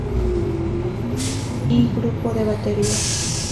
I Grupo de baterías.